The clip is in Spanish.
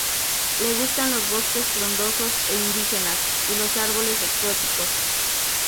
Le gustan los bosques frondosos e indígenas y los árboles exóticos.